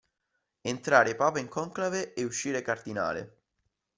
Entrare papa in conclave e uscire cardinale.